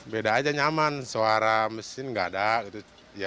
beda aja nyaman suara mesin nggak ada gitu